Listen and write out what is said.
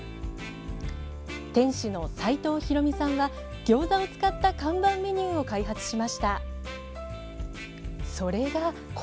店主の齋藤弘美さんはギョーザを使った看板メニューを開発しました。